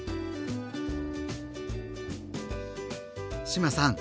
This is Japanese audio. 志麻さん